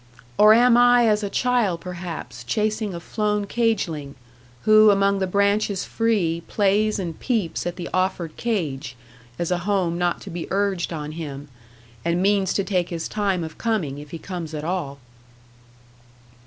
Or am I as a child perhaps, chasing a flown cageling, who among the branches free plays and peeps at the offered cage (as a home not to be urged on him), and means to take his time of coming, if he comes at all?